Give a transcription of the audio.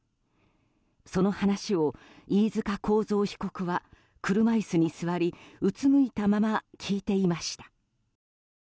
その話を飯塚幸三被告は車椅子に座りうつむいたまま聞いていました。